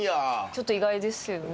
ちょっと意外ですよね。